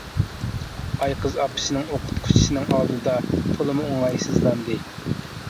ئايقىز ئاپىسىنىڭ ئوقۇتقۇچىسىنىڭ ئالدىدا تولىمۇ ئوڭايسىزلاندى.